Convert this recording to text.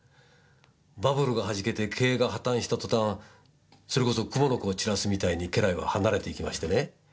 バブルが弾けて経営が破綻した途端それこそクモの子を散らすみたいに家来は離れていきましてね